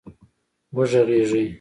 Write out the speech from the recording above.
وږغېږئ